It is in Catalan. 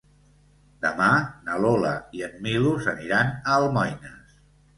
Demà na Lola i en Milos aniran a Almoines.